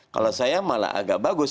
kalau saya malah agak bagus